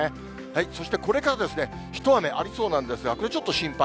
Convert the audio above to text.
そしてこれからですね、一雨ありそうなんですが、これちょっと心配。